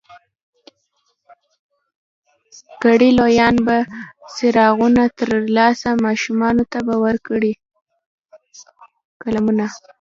کړي لویان به څراغونه ترې ترلاسه، ماشومانو ته به ورکړي قلمونه